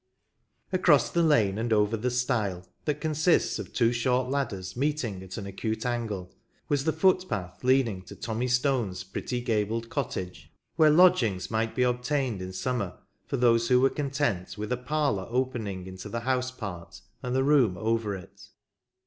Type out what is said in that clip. Across the lane and over the stile, that con sists of two short ladders meeting at an acute angle, was the footpath leading to Tommy Stone's pretty gabled cottage, where lodgings might be obtained in summer for those who were content with a parlour opening into the house part and the room over it.